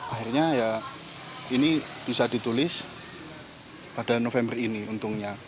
akhirnya ya ini bisa ditulis pada november ini untungnya